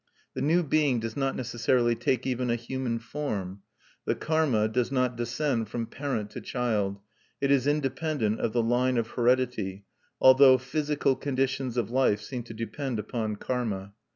The new being does not necessarily take even a human form: the karma does not descend from parent to child; it is independent of the line of heredity, although physical conditions of life seem to depend upon karma.